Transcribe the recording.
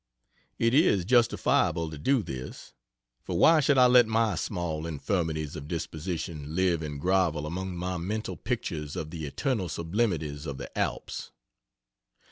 It is justifiable to do this; for why should I let my small infirmities of disposition live and grovel among my mental pictures of the eternal sublimities of the Alps?